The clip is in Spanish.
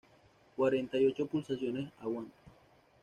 cuarenta y ocho pulsaciones. aguanta.